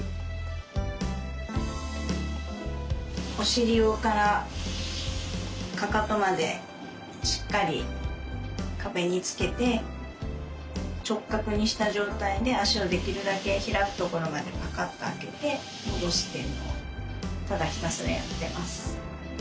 お尻からかかとまでしっかり壁につけて直角にした状態で足をできるだけ開くところまでパカっと開けて戻すっていうのをただひたすらやっています。